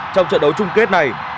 trong trận đấu chung kết này